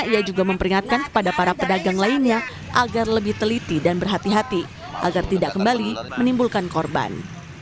ia juga memperingatkan kepada para pedagang lainnya agar lebih teliti dan berhati hati agar tidak kembali menimbulkan korban